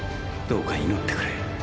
どうか祈ってくれ。